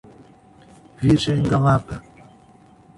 Virgem da Lapa